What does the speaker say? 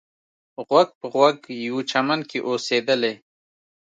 غوږ په غوږ یوه چمن کې اوسېدلې.